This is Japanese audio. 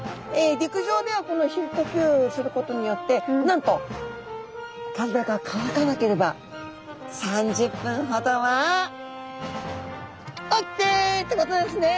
陸上では皮膚呼吸することによってなんと体が乾かなければ３０分ほどはオッケーってことですね！